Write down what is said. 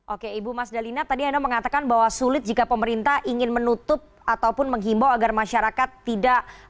oke ibu mas dalina tadi anda mengatakan bahwa sulit jika pemerintah ingin menutup ataupun menghimbau agar masyarakat tidak